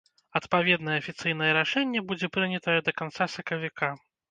Адпаведнае афіцыйнае рашэнне будзе прынятае да канца сакавіка.